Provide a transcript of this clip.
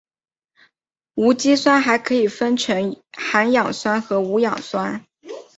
无机酸还可以分成含氧酸和无氧酸。